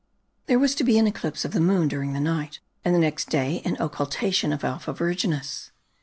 There was to be an eclipse of the moon during the night, and the next day an occultation of alpha Virginis.